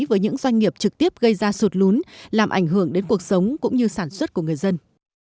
với những doanh nghiệp trực tiếp gây ra sụt lún làm ảnh hưởng đến cuộc sống cũng như sản xuất của người dân